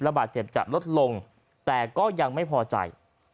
บาดเจ็บจะลดลงแต่ก็ยังไม่พอใจ